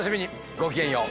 ごきげんよう。